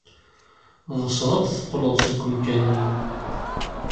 Ɣseɣ ad d-teqqled deg umkan-inu.